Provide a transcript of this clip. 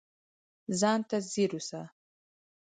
ځان ته ځیر اوسه